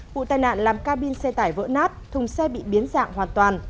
vụ tai nạn làm ca bin xe tải vỡ nát thùng xe bị biến dạng hoàn toàn